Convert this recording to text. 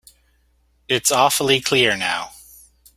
It's awfully clear now.